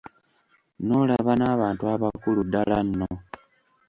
N’olaba n’abantu abakulu ddala nno!